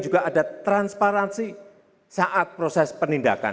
juga ada transparansi saat proses penindakan